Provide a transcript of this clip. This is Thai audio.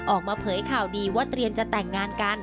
ออกมาเผยข่าวดีว่าเตรียมจะแต่งงานกัน